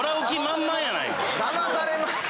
だまされますって！